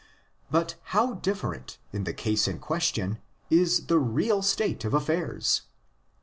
But how different, in the case in question, is the real state of affairs!